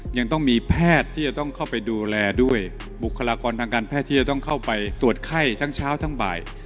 ยังต้องมีแพทย์ที่จะต้องเข้าไปดูแลด้วยบุคลากรทางการแพทย์ที่จะต้องเข้าไปตรวจไข้ทั้งเช้าทั้งบ่าย